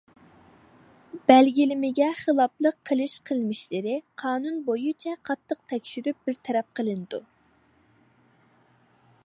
بەلگىلىمىگە خىلاپلىق قىلىش قىلمىشلىرى قانۇن بويىچە قاتتىق تەكشۈرۈپ بىر تەرەپ قىلىنىدۇ.